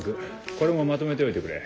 これもまとめておいてくれ。